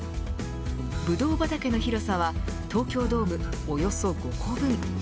ブドウ畑の広さは東京ドームおよそ５個分。